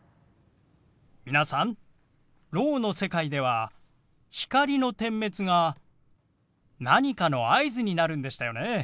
皆さんろうの世界では光の点滅が何かの合図になるんでしたよね。